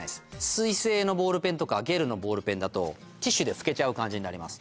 水性のボールペンとかゲルのボールペンだとティッシュで拭けちゃう感じになります